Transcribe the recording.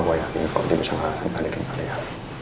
gue yakin kalo dia bisa ngerasain adeknya kali ya